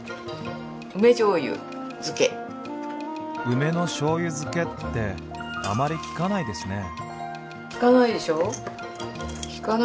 梅のしょうゆ漬けってあまり聞かないですね。